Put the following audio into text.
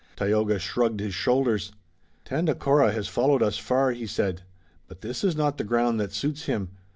Tayoga shrugged his shoulders. "Tandakora has followed us far," he said, "but this is not the ground that suits him.